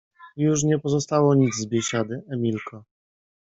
— Już nie pozostało nic z biesiady, Emilko.